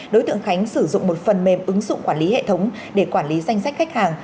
đối tượng khánh sử dụng một phần mềm ứng dụng quản lý hệ thống để quản lý danh sách khách hàng